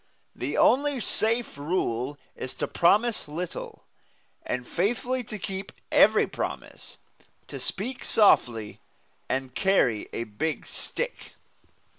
The only safe rule is to promise little, and faithfully to keep every promise; to "speak softly and carry a big stick."